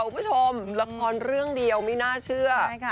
คุณผู้ชมละครเรื่องเดียวไม่น่าเชื่อใช่ค่ะ